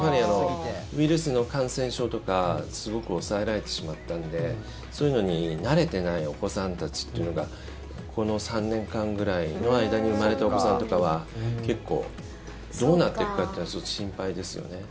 ウイルスの感染症とかすごく抑えられてしまったのでそういうのに慣れてないお子さんたちっていうのがこの３年間くらいの間に生まれたお子さんとかはどうなっていくかっていうのは心配ですよね。